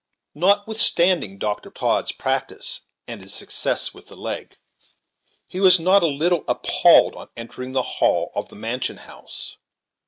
Notwithstanding Dr. Todd's practice, and his success with the leg, he was not a little appalled on entering the hall of the mansion house.